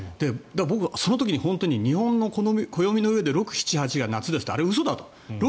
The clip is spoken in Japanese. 僕はその時に本当に日本の暦のうえで６、７、８が夏ですって、あれは嘘だと。